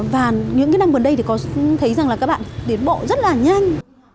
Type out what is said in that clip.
và những cái năm gần đây thì có thấy rằng là các bạn tiến bộ rất là nhanh